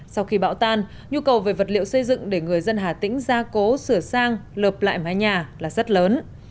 sau khi bão tan nhu cầu về vật liệu xây dựng để người dân hà tĩnh gia cố sửa sang lợp lại mái nhà là rất lớn